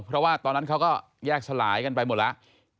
เพราะว่าตอนนั้นเขาก็แยกสลายกันไปหมดแล้ว